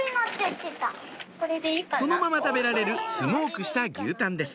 そのまま食べられるスモークした牛タンです